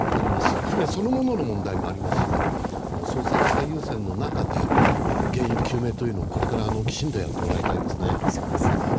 し船そのものの問題もありますし捜索最優先の中で原因究明というのをこれからきちんとやってもらいたいですね。